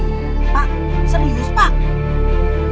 pak serius pak